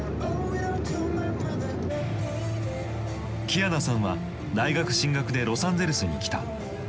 キアナさんは大学進学でロサンゼルスに来た。